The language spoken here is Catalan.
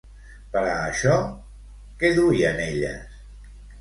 Per a això, què duien elles?